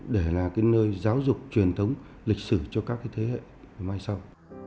để là cái nơi giáo dục truyền thống lịch sử cho các thế hệ mai sau